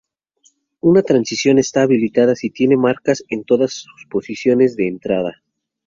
Una transición está habilitada si tiene marcas en todas sus posiciones de entrada.